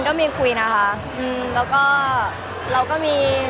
มันเป็นเรื่องน่ารักที่เวลาเจอกันเราต้องแซวอะไรอย่างเงี้ย